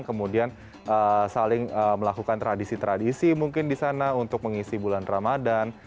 kemudian saling melakukan tradisi tradisi mungkin di sana untuk mengisi bulan ramadan